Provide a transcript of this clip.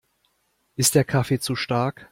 Ist der Kaffee zu stark?